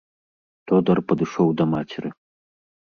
Тодар падышоў да мацеры.